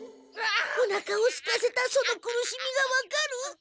おなかをすかせたその苦しみが分かる？